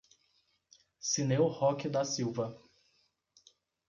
Cineu Roque da Silva